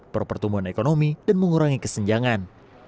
perpertumbuhan ekonomi dan mengurangi kesenjangan